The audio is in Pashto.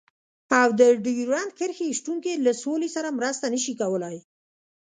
او د ډيورنډ کرښې شتون کې له سولې سره مرسته نشي کولای.